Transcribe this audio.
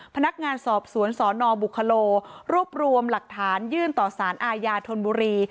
พนักงานสอบสวนสนบุคโลรวบรวมหลักฐานยื่นต่อสารอาญาธนบุรี